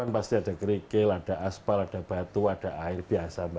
pasti ada kerikil ada aspal ada batu ada air biasa